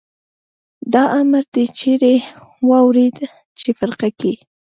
دا امر دې چېرې واورېد؟ په فرقه کې.